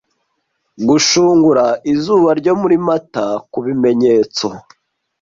Gushungura izuba ryo muri Mata kubimenyetso,